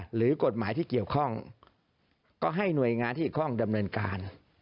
หรือกฎหมายที่เกี่ยวข้องก็ให้หน่วยงานที่เกี่ยวข้องดำเนินการ